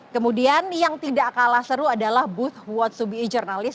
kemudian yang tidak kalah seru adalah booth what's to be a journalist